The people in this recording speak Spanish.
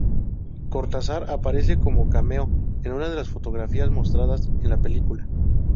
Cortázar aparece como cameo en una de las fotografías mostradas en la película.